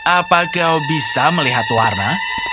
apa kau bisa melihat warna